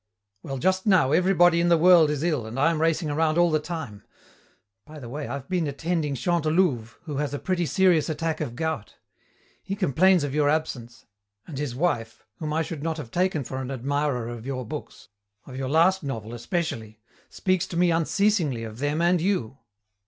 "Well, just now everybody in the world is ill and I am racing around all the time. By the way, I've been attending Chantelouve, who has a pretty serious attack of gout. He complains of your absence, and his wife, whom I should not have taken for an admirer of your books, of your last novel especially, speaks to me unceasingly of them and you.